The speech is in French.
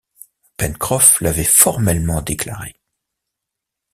Pencroff l’avait formellement déclaré.